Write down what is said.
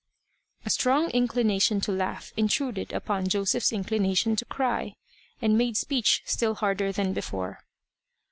A strong inclination to laugh intruded upon Joseph's inclination to cry, and made speech still harder than before.